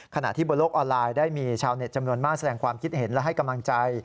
ขณะที่บนโลกออนไลน์ได้มีชาวเน็ตจำนวนมากแสดงความคิดเห็นและให้กำลังใจ